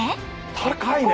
高いね！